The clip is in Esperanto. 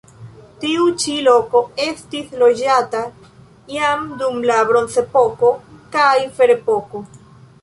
Tiu ĉi loko estis loĝata jam dum la bronzepoko kaj ferepoko.